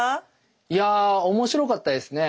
いや面白かったですね。